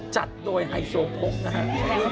จัดโดยไฮโซพกนะครับ